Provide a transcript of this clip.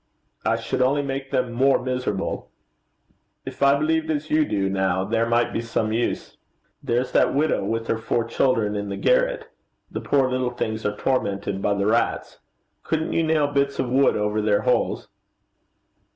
'I should only make them more miserable. If I believed as you do, now, there might be some use.' 'There's that widow with her four children in the garret. The poor little things are tormented by the rats: couldn't you nail bits of wood over their holes?'